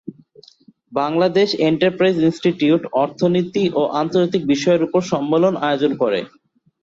Bangladesh enterprise institute অর্থনৈতিক ও আন্তর্জাতিক বিষয়ের উপর সম্মেলনের আয়োজন করে।